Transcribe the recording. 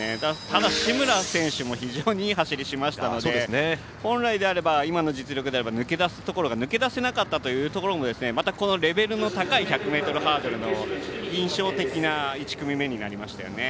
ただ、紫村選手も非常にいい走りしましたので本来であれば今の実力だったら抜け出せるところで抜け出せなかったのがレベルの高い１００ｍハードルの印象的な１組目になりましたね。